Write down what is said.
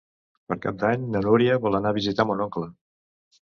Per Cap d'Any na Núria vol anar a visitar mon oncle.